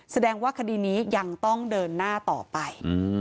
แสดงว่าคดีนี้ยังต้องเดินหน้าต่อไป